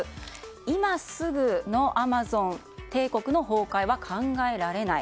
今すぐのアマゾン帝国の崩壊は考えられない。